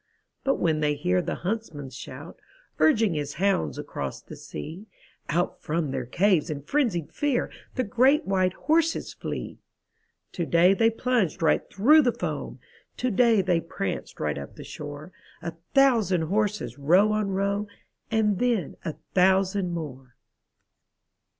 But when they hear the huntsman's shout Urging his hounds across the sea, Out from their caves in frenzied fear The great white horses flee! Today they plunged right through the foam, Today they pranced right up the shore, A thousand horses, row on row. And then a thousand more.